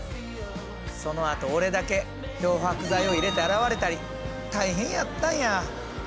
そのあと俺だけ漂白剤を入れて洗われたり大変やったんや。